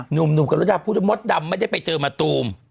หนุ่มกรุดาพูดมดดำไม่ได้ไปเจอมะตูม